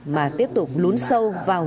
mà tiếp tục lún sâu vào